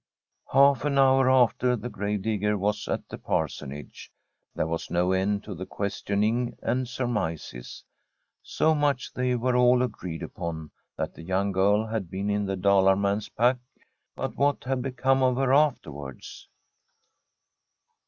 Half an hour after the grave digger was at the Tii STORY ^ s COUNTRY HOUSE Parsonage. There was no end to the question ings and surmises. So much they were all agreed upon — that the young girl had been in the Dalar man's pack. But what had become of her afterwards